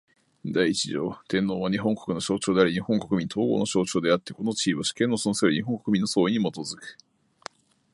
第一条天皇は、日本国の象徴であり日本国民統合の象徴であつて、この地位は、主権の存する日本国民の総意に基く。